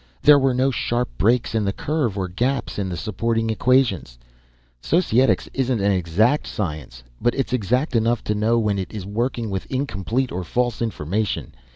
There were no sharp breaks in the curve or gaps in the supporting equations. Societics isn't an exact science. But it's exact enough to know when it is working with incomplete or false information.